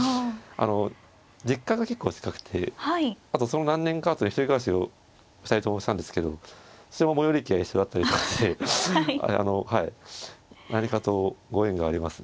あの実家が結構近くてあとその何年かあとに１人暮らしを２人ともしたんですけどそれも最寄り駅が一緒だったりしてあのはい何かとご縁があります。